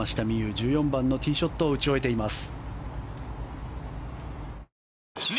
１４番のティーショットを打ち終えています。